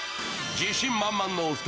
自信満々のお二人。